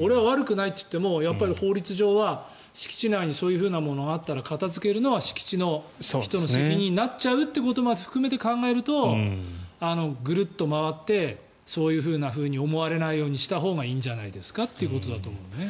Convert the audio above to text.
俺は悪くないって言っても法律上は敷地内にそういうものがあったら片付けるのは敷地の人の責任になっちゃうということまで含めて考えるとぐるっと回ってそういうふうに思われないほうにしたほうがいいんじゃないですかということなんだよね。